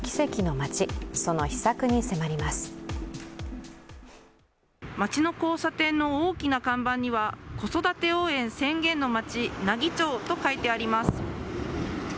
町の交差点の大きな看板には、子育て応援宣言の町奈義町と書いてあります。